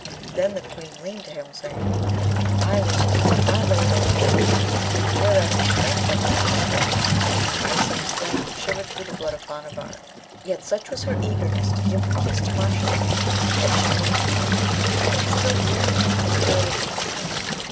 Then the Queen leaned to him, saying, 'I will speak with my lord alone'; whereat he shrank from her, and spat. Ice and flame shivered through the blood of Bhanavar, yet such was her eagerness to give the kiss to Mashalleed, that she leaned to him, still wooing him to her with smiles.